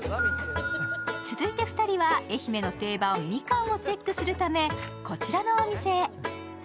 続いて２人は、愛媛の定番・みかんをチェックするため、こちらのお店へ。